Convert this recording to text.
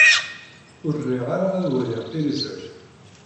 Ur riɣ ara ad waliɣ tiliẓri.